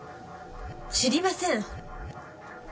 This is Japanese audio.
知りません！